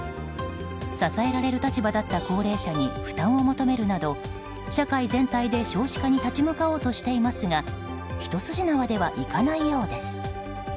支えられる立場だった高齢者に負担を求めるなど社会全体で少子化に立ち向かおうとしていますが一筋縄ではいかないようです。